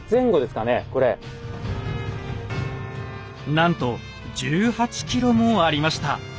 なんと１８ｋｇもありました。